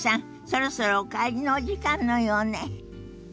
そろそろお帰りのお時間のようね。